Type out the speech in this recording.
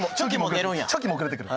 チョキも遅れて来る。